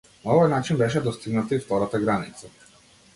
На овој начин беше достигната и втората граница.